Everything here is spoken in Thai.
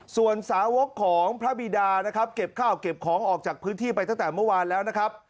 ส่วนสาวกของพระบิดานะครับเก็บข้าวเก็บของออกจากพื้นที่ไปตั้งแต่เมื่อวานแล้วนะครับ